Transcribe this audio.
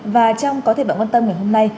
và trong có thể bạn quan tâm ngày hôm nay